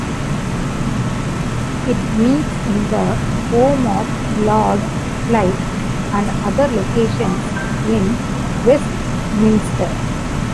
It meets in the home of Lord Flight and other locations in Westminster.